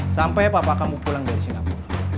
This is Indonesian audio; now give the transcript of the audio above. sampai papa kamu pulang dari singapura